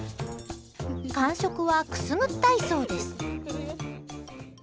感触はくすぐったいそうです。